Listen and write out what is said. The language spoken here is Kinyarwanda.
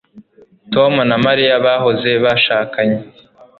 Tom na Mariya bahoze bashakanye